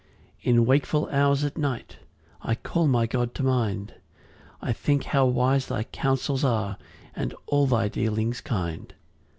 6 In wakeful hours at night I call my God to mind; I think how wise thy counsels are, And all thy dealings kind.